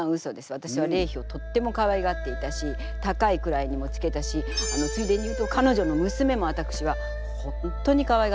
私は麗妃をとってもかわいがっていたし高い位にもつけたしついでに言うと彼女の娘も私は本当にかわいがっておりました。